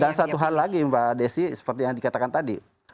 dan satu hal lagi mbak desi seperti yang dikatakan tadi